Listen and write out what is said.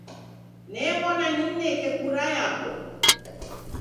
New'ona nimneke kura yapo.